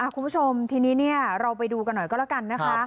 คุณผู้ชมทีนี้เราไปดูกันหน่อยก็แล้วกันนะคะ